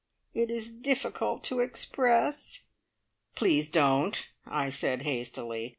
It is difficult to express " "Please don't!" I said hastily.